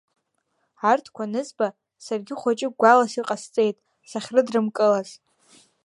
Арҭқәа анызба, саргьы хәыҷык гәалас иҟасҵеит сахьрыдрымкылаз.